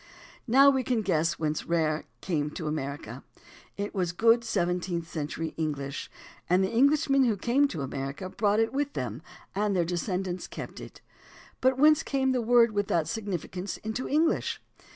Now we can guess whence "rare" came to America. It was good seventeenth century EngUsh, and the Eng lishmen who came to America brought it with them and their descendants kept it. But whence came the word with that significance into English?